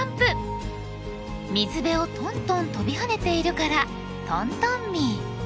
水辺をトントン跳びはねているからトントンミー。